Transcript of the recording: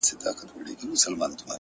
چي واکداران مو د سرونو په زاريو نه سي،